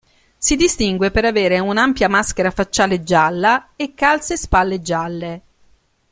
Si distingue per avere una ampia maschera facciale gialla e calze e spalle gialle.